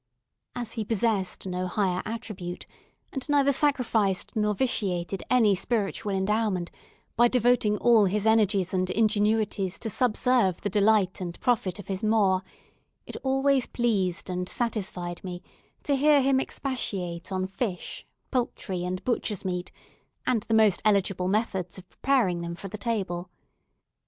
As he possessed no higher attribute, and neither sacrificed nor vitiated any spiritual endowment by devoting all his energies and ingenuities to subserve the delight and profit of his maw, it always pleased and satisfied me to hear him expatiate on fish, poultry, and butcher's meat, and the most eligible methods of preparing them for the table.